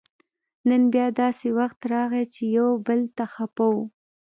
نن بیا داسې وخت راغی چې یو بل ته خپه وو